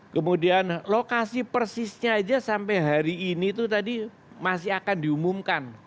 kemudian lokasi persisnya aja sampai hari ini itu tadi masih akan diumumkan